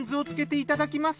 いただきます。